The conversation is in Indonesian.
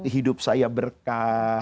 hidup saya berkah